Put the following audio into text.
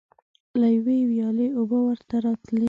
له یوې ویالې اوبه ورته راتللې.